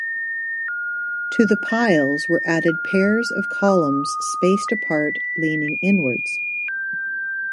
To the piles were added pairs of columns spaced apart leaning inwards.